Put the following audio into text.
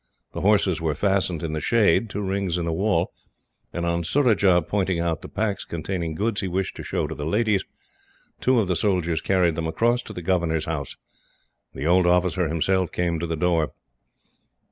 The horses were fastened in the shade to rings in the wall, and on Surajah pointing out the packs containing goods he wished to show to the ladies, two of the soldiers carried them across to the governor's house. The old officer himself came to the door.